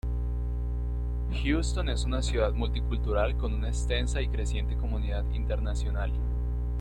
Houston es una ciudad multicultural con una extensa y creciente comunidad internacional.